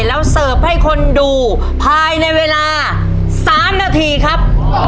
แล้วเสิร์ฟให้คนดูภายในเวลา๓นาทีครับ